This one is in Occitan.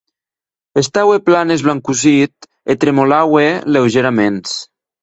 Estaue plan esblancossit e tremolaue leugèraments.